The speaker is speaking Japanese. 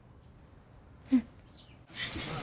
うん。